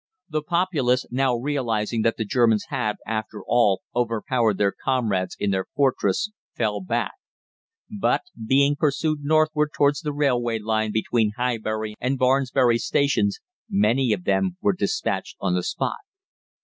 The populace now realising that the Germans had, after all, overpowered their comrades, in their fortress, fell back; but being pursued northward towards the railway line between Highbury and Barnsbury stations, many of them were despatched on the spot.